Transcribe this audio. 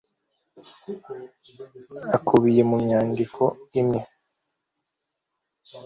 akubiye mu myandiko imwe